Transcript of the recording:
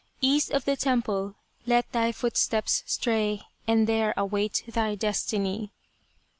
East of the Temple let thy footsteps stray, And there await thy destiny